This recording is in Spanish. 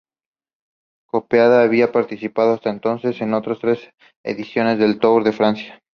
Cepeda había participado hasta entonces en otras tres ediciones del Tour de Francia.